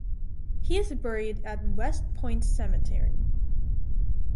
He is buried at West Point Cemetery.